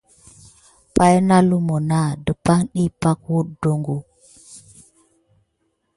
Pay nà lumu nak dupay ɗi pay oɗoko.